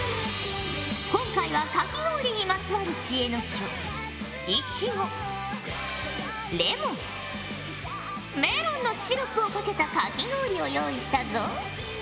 今回はかき氷にまつわる知恵の書。のシロップをかけたかき氷を用意したぞ。